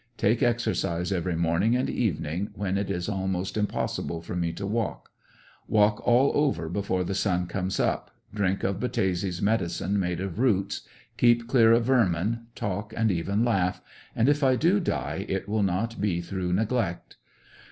Take exercise every morning and evenmg, when it is almost im possible for me to walk Walk all over before the sun comes up, drink of Battese's medicine made of roots, keep clear of vermis, talk and even laugh, and if I do die, it will not be through neglect.